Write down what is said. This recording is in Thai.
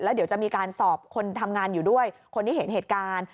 เดี๋ยวจะมีการสอบคนทำงานอยู่ด้วยคนที่เห็นเหตุการณ์